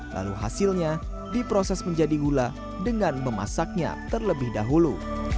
lalu hasilnya diproses menjadi gula dengan memasaknya terlebih dahulu